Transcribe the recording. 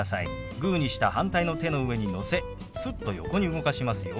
グーにした反対の手の上にのせすっと横に動かしますよ。